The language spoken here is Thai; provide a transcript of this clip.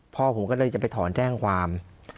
พ่อผมก็เลยจะไปถอนแจ้งความ